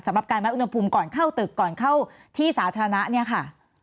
สำหรับการวัดอุณหภูมิก่อนเข้าตึกก่อนเข้าที่สาธารณะเนี่ยค่ะ